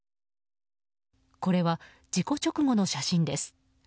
これは、事故直後の写真です。